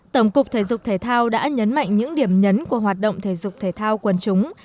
tổng cục thể dục thể thao đã nhấn mạnh những điểm nhấn của hoạt động thể dục thể thao quần chúng